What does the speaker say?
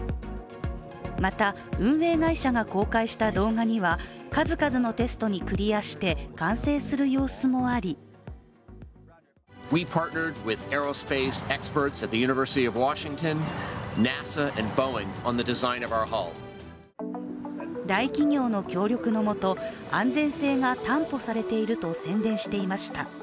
また、運営会社が公開した動画には、数々のテストにクリアして、完成する様子もあり大企業の協力のもと安全性が担保されていると宣伝していました。